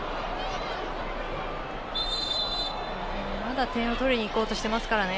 まだ点を取りにいこうとしていますからね。